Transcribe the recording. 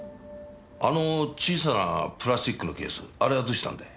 あの小さなプラスチックのケースあれはどうしたんだい？